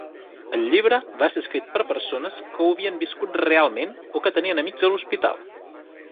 El llibre va ser escrit per a persones que ho havien viscut realment o que tenien amics a l'hospital.